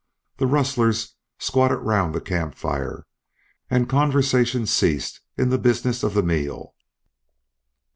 The rustlers squatted round the camp fire, and conversation ceased in the business of the meal.